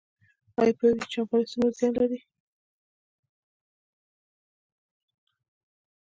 ایا پوهیږئ چې چاغوالی څومره زیان لري؟